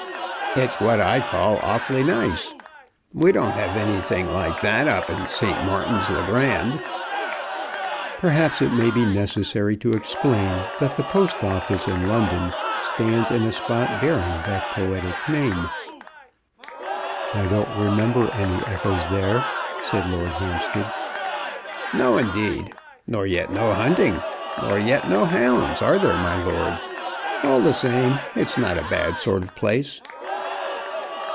"It's what I call awfully nice. We don't have anything like that up at St. Martin's le Grand." Perhaps it may be necessary to explain that the Post Office in London stands in a spot bearing that poetic name. "I don't remember any echoes there," said Lord Hampstead. "No, indeed; nor yet no hunting, nor yet no hounds; are there, my lord? All the same, it's not a bad sort of place!"